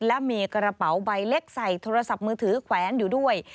และมีกระเป๋าใบเล็กใส่โทรศัพท์มือถือแขวนอยู่ด้วย